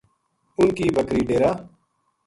اِن کی بکری ڈیرا